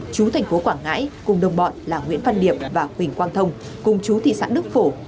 chú thành phố quảng ngãi cùng đồng bọn là nguyễn văn điệp và huỳnh quang thông cùng chú thị xã đức phổ